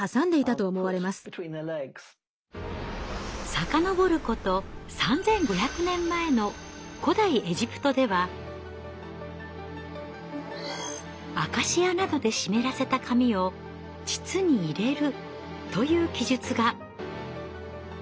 遡ること３，５００年前の古代エジプトでは「アカシアなどで湿らせた紙を膣に入れる」という記述が。